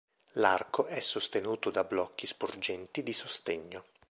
L'arco è sostenuto da blocchi sporgenti di sostegno.